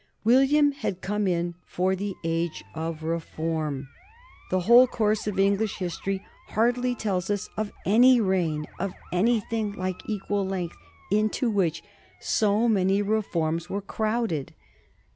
William had come in for the age of reform. The whole course of English history hardly tells us of any reign, of anything like equal length, into which so many reforms were crowded.